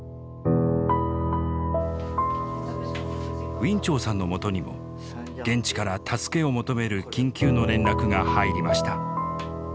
ウィン・チョウさんのもとにも現地から助けを求める緊急の連絡が入りました。